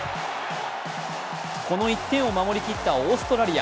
この１点を守り切ったオーストラリア。